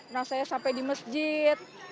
nah saya sampai di masjid